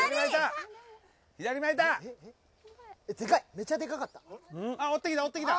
めちゃでかかった。